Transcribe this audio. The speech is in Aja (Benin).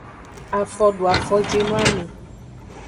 Afodoafojinoame.